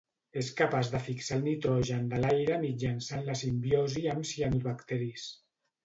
És capaç de fixar el nitrogen de l'aire mitjançant la simbiosi amb cianobacteris.